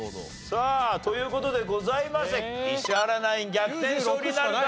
さあという事でございまして石原ナイン逆転勝利なるか？